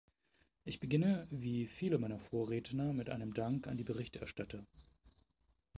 Ich beginne wie viele meiner Vorredner mit einem Dank an die Berichterstatter.